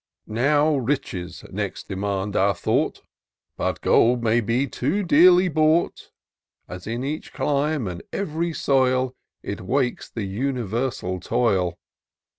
" Now Riches next demand our thought : But gold may be too dearly bought. As in each clime and ev'ry soil. It wakes the universal toil.